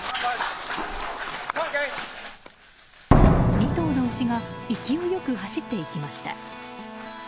２頭の牛が勢いよく走っていきました。